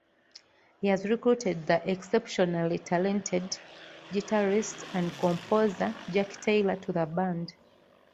He has recruited the "exceptionally talented" guitarist and composer Jacqui Taylor to the band.